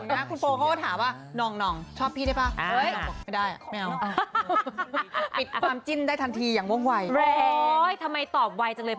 ชาวเน็ตชาวเน็ตเป็นไงบ้าง